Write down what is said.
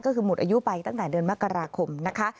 ก็คือหมดอายุไปตั้งแต่เดือนมกราคมนะคะ